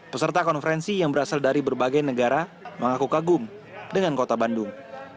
peserta konferensi yang berasal dari berbagai negara mengaku kagum dengan kota bandung